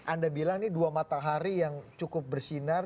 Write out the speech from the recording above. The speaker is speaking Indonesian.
anda bilang ini dua matahari yang cukup bersinar